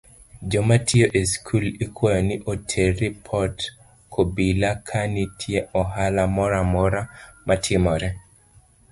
Jomatiyo e skul ikwayo ni oter ripot kobila ka nitie ohala moramora matimore.